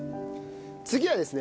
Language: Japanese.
次はですね